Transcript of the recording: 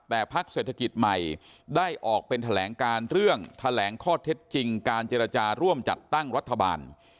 แต่พักเศรษฐกิจใหม่ได้ออกเป็นแถลงการเรื่องแถลงข้อเท็จจริงการเจรจาร่วมจัดตั้งรัฐบาล